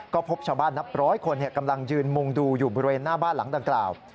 ก็พบชาวบ้านนับร้อยคนกำลังยืนมุงดูอยู่บริเวณหน้าบ้านหลังดังกล่าว